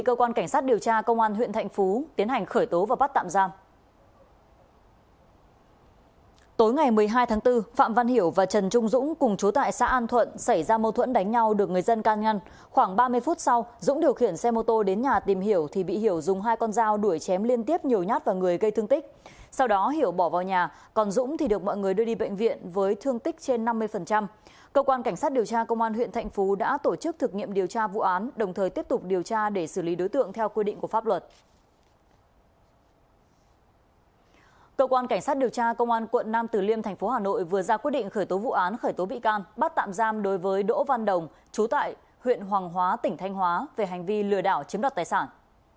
cơ quan cảnh sát điều tra công an quận nam từ liêm thành phố hà nội vừa ra quyết định khởi tố vụ án khởi tố bị can bắt tạm giam đối với đỗ văn đồng trú tại huyện hoàng hóa tỉnh thanh hóa về hành vi lừa đảo chiếm đoạt tài sản